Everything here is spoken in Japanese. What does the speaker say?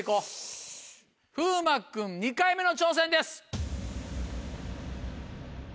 風磨君２回目の挑戦です。